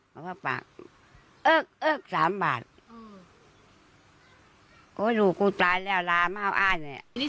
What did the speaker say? แล้วก็ฟากอึก๓พัทโลหิ่งลูกกูตายแล้วล่าไม่เอาอ้านเนี่ย